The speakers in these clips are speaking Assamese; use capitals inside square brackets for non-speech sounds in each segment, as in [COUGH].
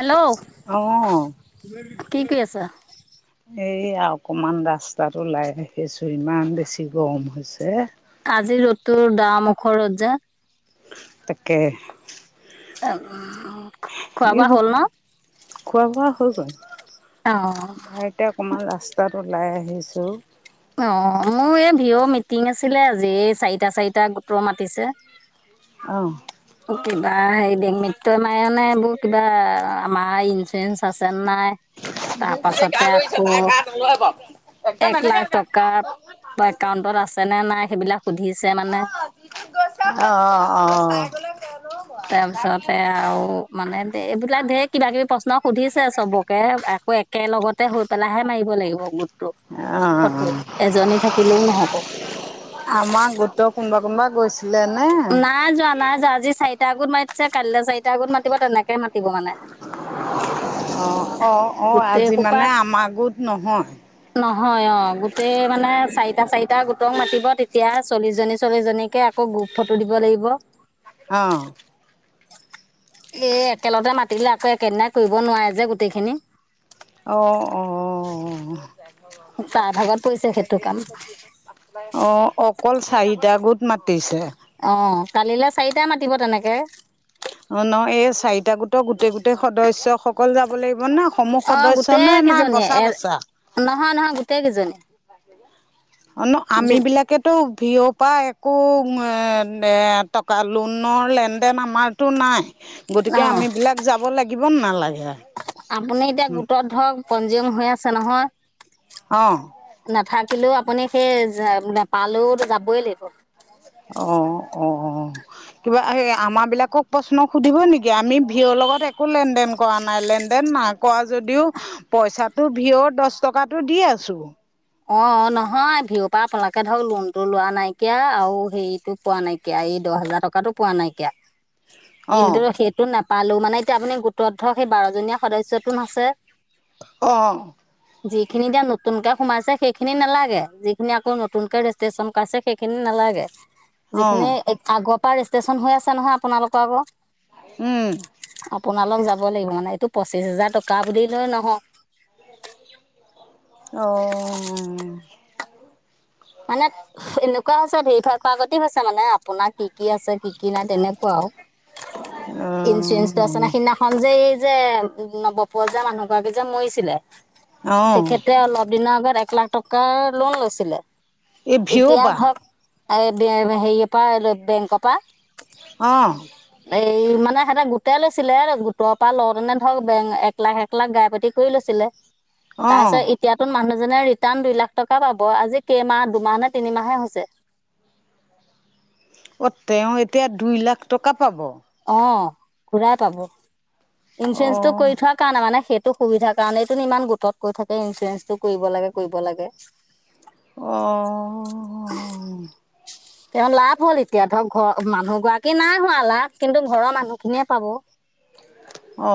হেল্ল', অ', কি কৰি আছা? এইয়া অকমান ৰাস্তাত ওলাই আহিছো ইমান বেছি গৰম হৈছে। আজি ৰ'দতটো দাও মুখৰ ৰ'দ যে, তাকে খোৱা বোৱা এইবোৰ, হ'ল ন? খোৱা বোৱা হৈ গল, অ', ঘতে অকণমান ৰাস্তাত ওলাই আহিছোঁ। অ মোৰ এই ভীঅ'ৰ মিটিং আছিলে আজি এই চাৰিটা চাৰিটা গোটৰ মাতিছে, অ কিবা হে বে মিত্য মায়নে এইবোৰ কিবা আমাৰ ই, বেঞ্চ আছে নাই তাৰ পাছতে আকৌ, তই লৈ আউ বাউ, এক লাখ টকা একাউন্টত আছে নে নাই সেইবিলাক সুধিছে মানে, অঁ অঁ অঁ, তাৰপিছতে আৰু, মানে ধে এইবোিলাক ধেৰ কিবা কিবি প্ৰশ্ন সুধিছে চবকে আকৌ একেল লগত, তাতে হৈ পেলাহে মাৰিব লাগিব গোটটো ফটো এজনী থাকিলেও নহ'ব। আমাৰ গোট কোনোবা কোনবা গৈছিলে নে? নাই যোৱা নাই যোৱা আজি চাৰিটা গোট মাতিছে কাইলে চাৰিটা গোট মাতিব তেনেকে, এনেকে মাতিব মানে? অ অ অ গোটেই আজি সোপা মানে আমাৰ গোত নহয়। নহয় অ গোটেই মানে চাৰিটা চাৰিটা গোটক মাতিব তেতিয়া চল্লিশ জনী চল্লিশ জনীকে আকৌ গোপ। ফটো দিব লাগিব। অ। এ একেলগতে মাতিলে আকৌ একেদিনাই কৰিব নোৱাৰে যে গোটেইখিনি। অঁ অঁ। চাহ ভাগত পৰিছে সেইটো কাম। অ অকল চাৰিটা গোট মাতিছে। অ কালিলৈ চাৰিটা মাতিব তেনেকে। অ ন এই চাৰিটা গোটৰ গোটেই গোটেই সদ্যয়সকল যাব লাগিব ন। সমূহ অ সদস্য গোটেই নে নাই কেইজনীয়ে বচা এ বচা। নহয় নহয় গোটেই কেইজনী অ ন আমি বিলাকে। তো ভিঅ' পৰা একো টকা লোনৰ লেনদেন আমাৰ। টো নাই গতিকে অ আমি বিলাক যাব লাগিব ন নালাগে। আপুনি এতিয়া গোটত ধৰক পনজিউম হৈ আছে নহয়। অঁ। নাথাকিলেও আপুনি সেই নাপালেও যাবই লাগিব। অ অ অ। কিবা এই আমাৰ বিলাকক প্ৰশ্ন সুধিব নেকি আমি ভিঅৰ লগত একো লেন দেন। কৰা নাই লেনদেন ন কোৱা যদিও পইচাটো ভিয়ৰ দহ টকাটো দি আছোঁ। অ নহয় ভিঅৰ পৰা আপোনালোকে ধৰক লোন টো লোৱা নাইকিয়া আৰু হেৰিতটো পোৱা নাইকিয়া। এয়া এই দহ হোজাৰ টকাতটো পোৱা নাইকিয়া অঁ কিন্তু সেই। নাপালো মানে এতিয়া আপুনি গোটত ধৰ সেই বাৰজনীয়া সদস্যয়তো ন আছে। অঁ। যিখিনি দিয়া নতুনকে সোমাইছে। সেইখিনি নালাগে যিখিনি আকৌ নতুনকে ৰেজিষ্ট্ৰেশচন কছে সেইখিনি নালাগে অঁ যিখিনি। আগৰ পৰা ৰেষ্টেশচন হৈ আছে নহয় আপোনালোকৰ আক। উম। আপোনালোক যাব লাগিব মানে এইটো পঁচিশ হোজাৰ টকা বুলি লয় নহয়। অ। মানে এনেকুৱা হৈছে ধেৰি ফাই খোৱাৰ আগতে হৈছে মানে আপোনাৰ কি কি আছে। কি কি নাই তেনেকুৱা আৰু ইঞ্চুৰেঞ্চটো আছে নাই সিদিনা। খন যে এই যে নব বজাৰ যে মানুহ গৰাকী যে মৰিছিলে অ', তেখেতে অলপ। দিনৰ আগত এক লাখ টকাৰ লোন লৈছিলে। এই ভিঅ' এতিয়া বা ধৰক এ বে হে হেৰিয়ৰ পৰা বেংকৰ পৰা। অঁ। এই মানে সিহঁতে গোটেই লৈছিলে গোটৰ পৰা লওঁতেনে ধৰক বেং এক লাখ এক লাখ গাই পাতি কৰি লৈছিলে। উ। তাৰপিছত এতিয়াতো মানুহজনে ৰিটাৰ্ণ দুই লাখ টকা পাব আজি কেইমাহ দুমাহ নে তিনিমাহে হৈছে। অঁ তেওঁ এতিয়া দুই লাখ টকা পাব। অ ঘূৰাই পাব ইঞ্চুৰেঞ্চটো অ', কৰি থোৱা। কাৰণে মানে সেইটো সুবিধাৰ কাৰণটোন ইমান গোটত কৈ থাকে ইঞ্চুৰেঞ্চটো কৰিব লাগে কৰিব লাগে। অঁ। তেওঁ লাভ হ'ল এতিয়া ধৰক ঘৰ মানুহ গৰাকী নাই হোৱা লাভ কিন্তু ঘৰৰ মানুহখিনিয়ে পাব। অ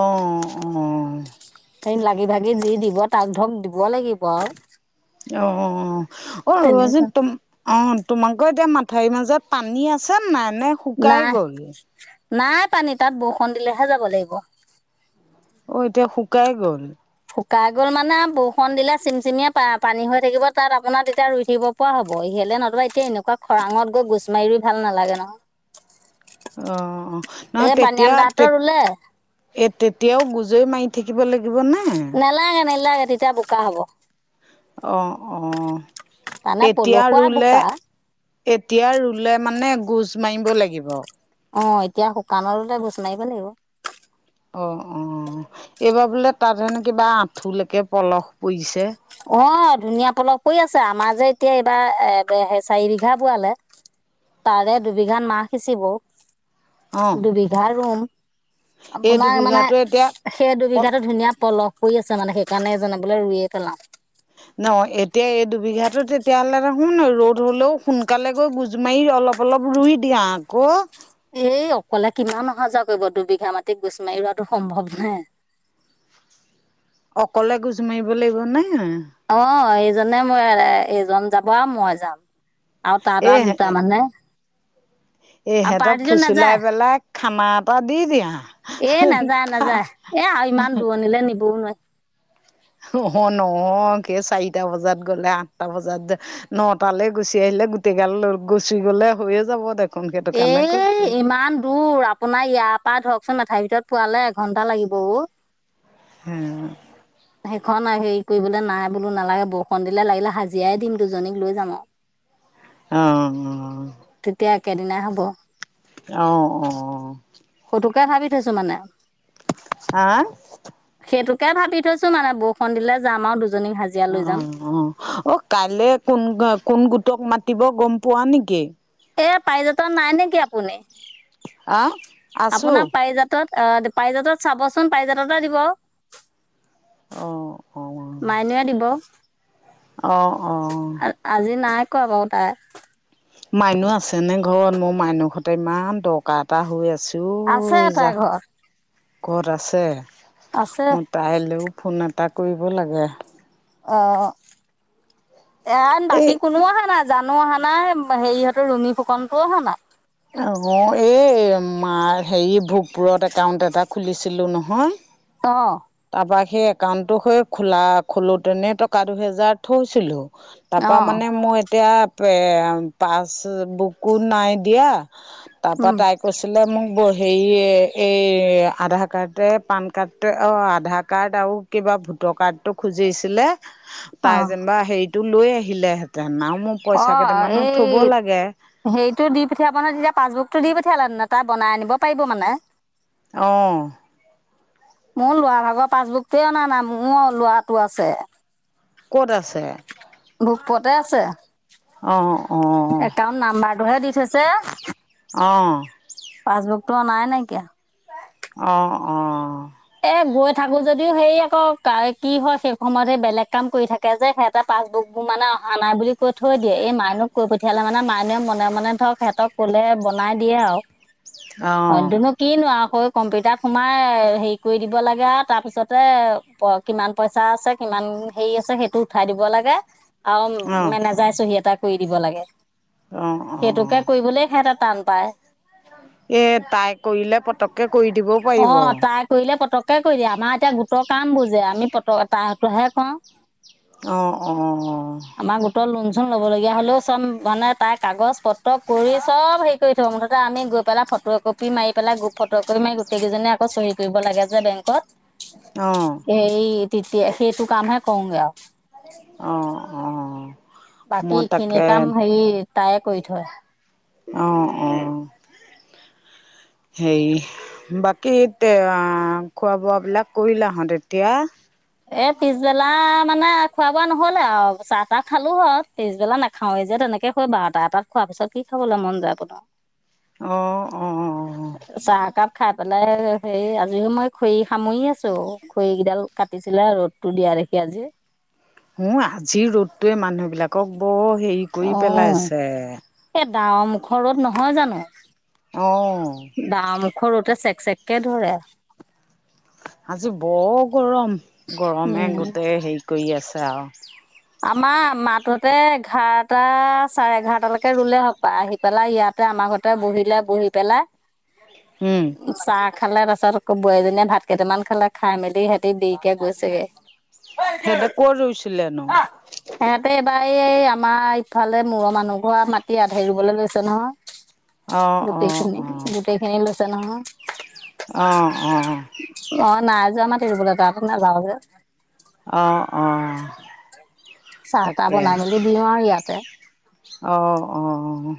অ। এনে লাগি ভাগি দি দিব তাক ধৰক দিব লাগিব আও অ অ যে তেনেকুৱা তম [INAUDIBLE] অ তোমালোকৰ এতিয়া মাথাউৰিৰ মাজত পানী আছে নাই নে নাই শুকাই গল নাই পানী তাত বৰষুণ দিলেহে যাব লাগিব অ এতিয়া শুকাই গ'ল শুকাই গ'ল মানে বৰষুণ দিলে চিম চিমিয়ে প পানী হৈ থাকিব তাত আপোনাৰ তেতিয়া ৰুই থাকিব পোৱা হ'ব ইহেলে নতবা এতিয়া এনেকুৱা খৰাঙত গৈ গোছ মাৰি ৰুই ভাল নালাগে নহ অ অ নহ এই পানীৰাম তেতিয়া তে দাহঁতৰ ৰুলে এই তেতিয়াও গুজৈ মাৰি থাকিব লাগিবনে নেলাগে নেলাগে তেতিয়া বোকা হ'ব অ অ মানে এতিয়া পলসুৱা ৰুলে বোকা এতিয়া ৰুলে মানে গোজ মাৰিব লাগিব অ এতিয়া শুকান হলে গুচ মাৰিব লাগিব অ অ এইবাৰ বোলে তাত সেনে কিবা আঁঠুলৈকে পলস পৰিছে অ ধুনীয়া পলস পৰি আছে আমাৰ যে এতিয়া এইবাৰ এ স চাৰি বিঘা বোৱালে তাৰে দুবিঘা মাহ সিঁচিব অ দুবিঘা ৰুম এই আপোনাৰ মানে দুবিঘাটো এতিয়া সেই দুবিঘাতো ধুনীয়া পলস কৰি আছে মানে সেইকাৰণে এইজনে বুলি ৰুইয়ে পেলাও ন এতিয়া এই দুবিঘাতো তেতিয়াহ'লে দেখোন ন ৰ'দ হ'লেও সোনকালে গৈ গোজ মাৰি অলপ অলপ ৰুই দিয়া আকৌ এ অকলে কিমান অহা যোৱা কৰিব দুবিঘা মাটিত গোচ মাৰি ৰোৱাটো সম্ভৱ নে অকলে গোজ মাৰিব লাগিব নে অ এইজনে মোৰ এইজন যাব আও মই যাম আ তাৰটা দুটা মানে আৰু ইহতক পাৰ্টিটো ফুচুলাই নাযায় পেলাই খানা এটা দি দিয়া এ নাযায় নাযায় এ আৰু ইমান দূৰণিলে নিবও নোৱাৰি নহ নহয় কে চাৰিটা বজাত গ'লে আঠটা বজাত নটালৈ গুচি আহিলে গোটেই গাল গুচি গ'লে হৈয়ে যাব দে এ ইমান দূৰ আ আপোনাৰ ইয়াৰ পৰা ধৰকচোন মথাইৰ ভিতৰত পোৱালে এঘণ্টা লাগিব অ হম সেইখন হেৰি কৰিবলৈ নাই বোলো নালাগে বৰষুণ দিলে লাগিলে হাজিৰাই দিম দুজনীক লৈ যাম আও অ উম তেতিয়া একেদিনাই হ'ব অ অ অ সেইটোকে ভাবি থৈছো মানে হা সেইটোকে ভাবি থৈছো মানে বৰষুণ দিলে যাম আৰু দুজনীক হাজি অ অ অ কাইলে কোন কোন গোটক মাতিব গম পোৱা নেকি এ পাৰিজাতত নাই নেকি আপুনি আ আছো আপোনাৰ পাৰিজাত কত পাৰিজাতত চাবচোন পাৰিজাততে দিব অঁ মাইনুয়ে দিব অ অ আজি নাই কৰা বাৰু তাই মাইনু আছে নে ঘৰত, মোৰ মাইনুৰ সতে ইমান দৰকাৰ এটা হৈ আছে। আছে উই, তাই যা, ঘৰত ক'ত আছে। আছে। মোৰ তাইলৈও ফোন এটা কৰিব লাগে। অ', ইয়াত এই বাকী কোনো আহা নাই। জানও অহা নাই, হেৰিহঁতৰ ৰুমি ফুকনটোও অহা নাই। অ', এই মা হেৰি ভোগপুৰত একাউণ্ট এটা খুলিছিলোঁ নহয়। অ'। তাৰপৰা সেই একাউণ্টটো হৈ খোলা খোলোতেনে টকা দুহেজাৰ থৈছিলো। অ তাৰপৰা মানে মোৰ এতিয়া, এ পাছ বুকো নাই দিয়া তাৰপৰা উম তাইক কৈছিলে মোক হেৰি এই, আধাৰ কাৰ্ডে, পান কাৰ্ডে অ', আধাৰ কাৰ্ড আৰু কিবা ভোটৰ কাৰ্ডটো খুজিছিলে। অ তাই যেনিবা হেৰিটো লৈ আহিলেহেঁতেন, আৰু মোৰ অ পইচা কেইটামানো এই থব লাগে। হেৰিটো দি পঠিয়াব ন, তেতিয়া পাছবুকতটো দি পঠিয়ালে নে নাই, তাই বনাই আনিব পাৰিব মানে। অ'। মোৰ লৰা ভাগৰ পাছবুকটোৱে অনা নাই, মোৰ ল'ৰাটো আছে। ক'ত আছে? গ্ৰুপতে আছে। অ', অ'। একাউন্ট নাম্বাৰটোহে দি থৈছে। অ'। পাছবুকতটো অনাই নাইকিয়া। অ', অ'। এ গৈ থাকো যদিও সেই আকৌ কি হয়, সেই সময়তহে বেলেগ কাম কৰি থাকে। তাকে যে সিহঁতে পাছুকবোৰ মানে অহা নাই বুলি কৈ থৈ দিয়ে, এই মাইনুক কৈ পঠিয়ালে, মানে মাইনুয়ে মনে মনে ধৰক ক'লে বনাই দিয়ে আৰু। অঁ অঁ এইটোনো কিনো আকৌ কম্পিউটাৰ সোমাই, হেৰি কৰি দিব লাগে আৰু, তাৰপিছতে কিমান পইচা আছে কিমান হেৰি আছে, সেইটো উঠাই দিব লাগে, আৰু অঁ মেনেজাৰেই চহি এটা কৰি দিব লাগে, অঁ অঁ সেইটোকে অঁ কৰিবলৈ সিহঁতে টান পায়। এ তাই কৰিলে পতককে কৰি দিব। অ', তাই কৰিলে পতককে কৰি দিয়ে, আমাৰ এতিয়া গোটৰ কাম বোৰজে, আমি পত তাইৰ হাতোৰহে কৰাওঁ। অ', অ'। আমাৰ গোটৰ লোন চোন ল'বলগীয়া হ'লেও, চব মানে তাইৰ কাগজ পত্ৰ কৰি, চব হেৰি কৰি থ'ব, মুঠতে আমি গৈ পেলাই ফটো একপি মাৰি পেলাই, গ্ৰুপ ফটো একপি মাৰি গোটেইকেইজনি আকৌ চহী কৰিব লাগে যে বেংকত। অ'। সেই তেতিয়া, সেইটো কামহে কৰোগে আৰু। অ', অ'। বাকী খিনি কাম হেৰি তায়ে কৰি থয়। অ' অ', হেৰী বাকী হে তা, খোৱা বোৱা বিলাক কৰিলা হত তেতিয়া। এ পিছবেলা, মানে খোৱা বোৱা নহলে আৰু, চাহ তাহ খালো হয়, পিছবেলা নাখাওঁ এই যে তেনেকে হে বাৰটা এটাত খোৱাৰ পিছত, কি খাবলৈ মন যাবনো। অ', অ'। চাহ একাপ খাই পেলাই সেই আজিও মই খৰি সামৰি আছো খৰি কেইডাল কাট। টিছিলে ৰ'দ টো দিয়া দেখি আজি। অ আজিৰ ৰ'দটোৱে মানুহবিলাকক ব হেৰি কৰি পেলাইছে। সে ডাৱৰ মুখ ৰদ নহয় জানো। অ'। ঘৰুতে চেক চেক কে ধৰে। আজি ব গৰম গৰমে উম গোটেই হেৰি কৰি আছে আও। আমাৰ মাতোতে ঘাৰটা চাৰে ঘাৰটালেকে ৰুলে আও পাহি। পেলাই ইয়াতে আমাৰ ঘৰতে বহিলে বহি পেলাই। উম, চাহ খালে তাৰ পিছত আকৌ বোৱাৰীজনীয়ে ভাত কেইটামান খালে খাই মেলি সেতি দিৰিকে গৈছেগে। হেতে কত ৰুইছিলে নো। আহ সিহঁতে এইবাৰ এই আমাৰ ইফালে মূৰৰ মানুহ ঘৰ মাটি আধেই ৰুবলৈ লৈছে নহয়। অ', গোটেই অ', খিনি গোটেই খিনিলৈছে নহয়। অ' অ'। ম নাই যোৱা মাতি ৰুবলৈ তাতো নাযাওঁ যে। অ' অ' চাহ তাহ তাকে বনাই মেলি দিওঁ আৰু ইয়াতে। অ' অ'।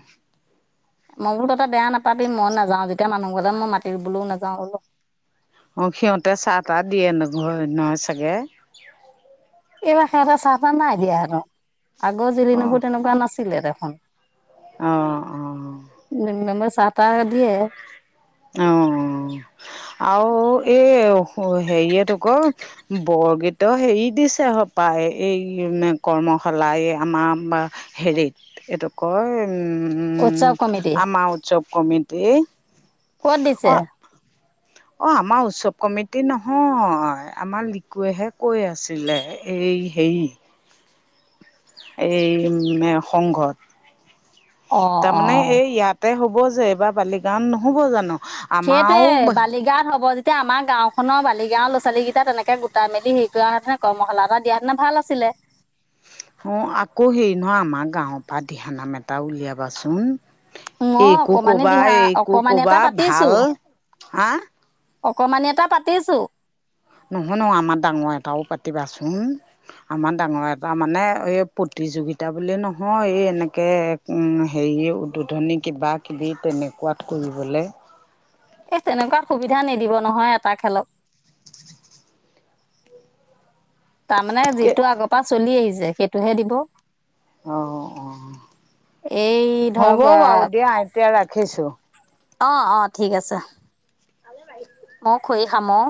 মই বোলো কতে বেয়া নাপাবি মই নাযাও যেতিয়া মানুহৰ কথা মই মাতি ৰোবলও নাযাওঁ বোলো। অ' সিহঁতে চাহ তাহ দিয়ে ন ঘৰ নহয় চাগে। এইবাৰ সিঁহতে চাহ তাহ নাই দিয়া আৰু আগৰ অ', জিলিনবোৰ তেনেকুৱা নাছিলে দেখোন। অ' অ'। [UNINTELLIGIBLE] চাহ টাহ দিয়ে। অ' অ আৰু এই হেৰিযয়েটো ক। বৰগীত হেৰি দিছে সপায় এই নে কৰ্মশালাই আমাৰ। হেৰিত এইটো কয় উমম উৎসৱ কমিটি আমাৰ উৎযৱ কমিটি। ক'ত দিছে। অ', অ' আমাৰ উৎসৱ কমিটি নহয় আমাৰ লিকুৱেহে কৈ আছিলে। এই হেই। এই মে সংঘত অ', তাৰমানে অ'। এই ইয়াত। তে হ'ব যে এইবাৰ বালিগাওত নহ'ব জানো। আমাৰো সেইটয়ে বালিগাত হ'ব য। এতি আমাৰ গাঁওখনৰ বালিও ল'ৰাোৱালীেইটা তেনেকে গোটাই মেলি হে কৰা হেতেনে কৰ্মশালা এ দােতে ভাল আছিলে। অ', আকৌ হেৰি নহ আমাৰ গাঁওৰ পৰা দিহানাম এটা উলিয়াবাচোন। মই এইকো অকমানি কবা দিহা এইকো অকমানি এটা কবা পাতিছো ভাল আ। অকমানি এটা পাতিছো। নহয় ন আমাৰ ডাঙৰ এটাও পাতিবাচোন। আমাৰ ডাঙৰ এটা মানে এই প্ৰতিযোগিতা বুলি নহয় এই এনেকে। উম হেৰিও উদ্বোধনী কিবাকিবি তেনেকুৱাত কৰিবলে। এ তেনেকুৱাত সুবিধা নিদিব নহয় এটা খেলক। তাৰমানে যিটো আগৰ পৰা চলি আহিছে সেইটোহে দিব। অঁ অঁ এই ধৰক [INAUDIBLE] তিয়া ৰাখিছোঁ। অ' অ' ঠিক আছে মও খুৰি সামও।